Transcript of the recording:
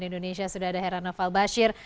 cnn indonesia sudah ada herano falbashir